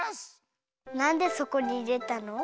なんでそこにいれたの？